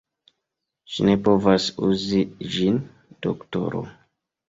Ŝi ne povas uzi ĝin, doktoro.